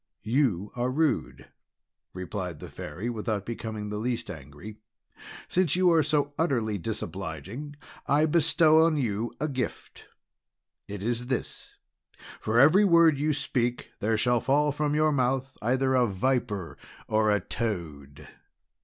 "You are rude," replied the Fairy without becoming in the least angry. "Since you are so utterly disobliging, I bestow on you a gift. It is this, for every word that you speak, there shall fall from your mouth either a viper or a toad."